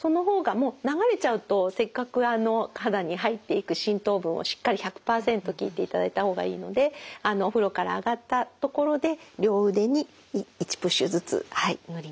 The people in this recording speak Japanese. もう流れちゃうとせっかく肌に入っていく浸透分をしっかり１００％効いていただいた方がいいのでお風呂から上がったところで両腕に１プッシュずつ塗ります。